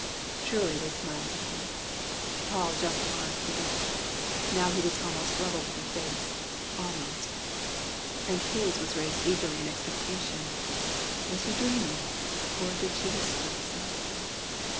Surely they smiled at him. Paul jumped on to the bench. Now he was almost level with her face almost and his was raised eagerly in expectation. Was he dreaming, or did she whisper something?